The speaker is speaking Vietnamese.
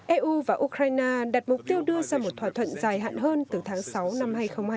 eu và ukraine đặt mục tiêu đưa ra một thỏa thuận dài hạn hơn từ tháng sáu năm hai nghìn hai mươi